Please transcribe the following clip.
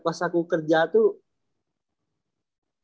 pas aku kerja tuh